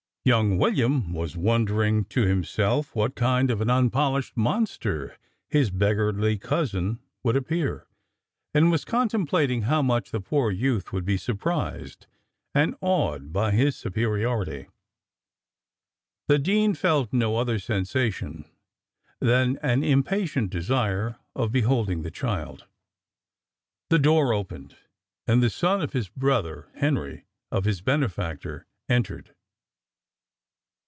Young William was wondering to himself what kind of an unpolished monster his beggarly cousin would appear; and was contemplating how much the poor youth would be surprised, and awed by his superiority. The dean felt no other sensation than an impatient desire of beholding the child. The door opened and the son of his brother Henry, of his benefactor, entered.